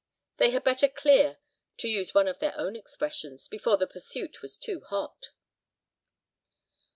They had better "clear," to use one of their own expressions, before the pursuit was too hot.